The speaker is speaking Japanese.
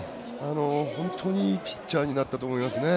本当にいいピッチャーになったと思いますね。